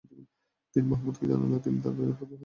তিনি তা মুহাম্মাদকে জানালে তিনি তার পায়ের উপর হাত বুলালেন।